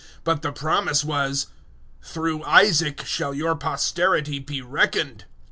But the promise was "Through Isaac shall your posterity be reckoned."